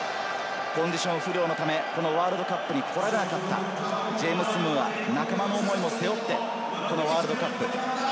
コンディション不良のためワールドカップに来られなかったジェームス・ムーア、仲間の思いも背負ってこのワールドカップ。